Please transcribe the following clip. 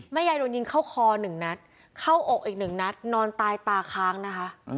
ยายโดนยิงเข้าคอหนึ่งนัดเข้าอกอีกหนึ่งนัดนอนตายตาค้างนะคะ